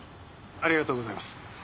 ありがとうございます。